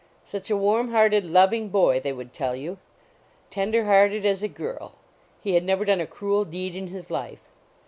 Such a warm hearted, loving boy, they would tell you. Tender hearted as a girl ; he had never done a cruel deed in his life.